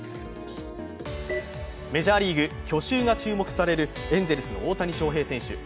メジャーリーグ、去就が注目されるエンゼルスの大谷翔平選手。